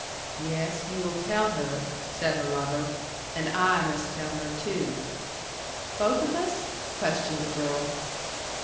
"Yes, you will tell her," said her lover. "And I must tell her too." "Both of us?" questioned the girl.